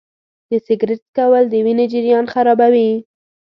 د سګرټ څکول د وینې جریان خرابوي.